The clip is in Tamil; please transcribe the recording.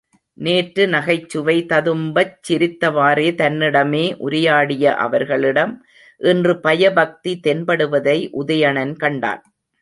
நேற்று நகைச்சுவை ததும்பச் சிரித்தவாறே தன்னிடமே உரையாடிய அவர்களிடம் இன்று பயபக்தி தென்படுவதை உதயணன் கண்டான்.